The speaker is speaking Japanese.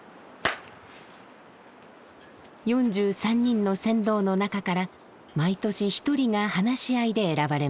４３人の船頭の中から毎年一人が話し合いで選ばれます。